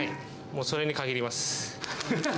もうそれに限ります。